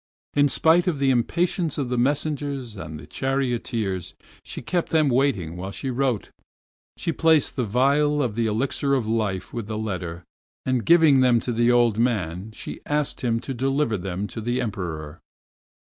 In spite of the impatience of the messengers and charioteers she kept them waiting while she wrote. She placed the phial of the Elixir of Life with the letter, and, giving them to the old man, she asked him to deliver them to the Emperor.